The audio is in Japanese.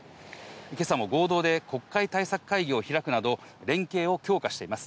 今朝も合同で国会対策会議を開くなど、連携を強化しています。